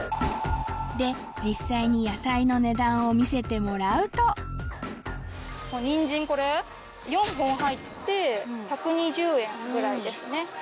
で実際に野菜の値段を見せてもらうとにんじんこれ４本入って１２０円ぐらいですね。